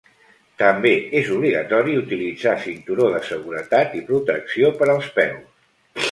També és obligatori utilitzar cinturó de seguretat i protecció per als peus.